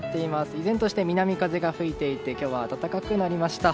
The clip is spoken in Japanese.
依然として南風が吹いていて今日は暖かくなりました。